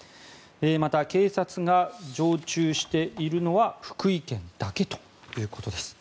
また、警察が常駐しているのは福井県だけということです。